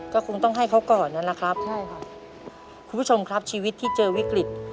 ก็คงต้องให้เขาก่อนนั่นแหละครับพี่ชมครับชีวิตที่เจอวิกฤตใช่ค่ะ